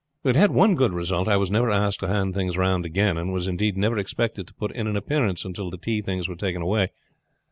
"It had one good result, I was never asked to hand things round again and was indeed never expected to put in an appearance until the tea things were taken away.